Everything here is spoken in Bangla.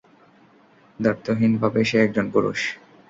দ্ব্যর্থহীনভাবেই, সে একজন পুরুষ।